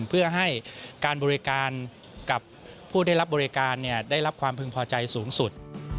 เพื่อให้การบริการกับผู้ได้รับบริการได้รับความพึงพอใจสูงสุด